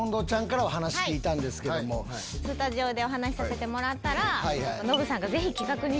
スタジオでお話させてもらったら。